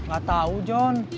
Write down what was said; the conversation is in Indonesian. gak tau jon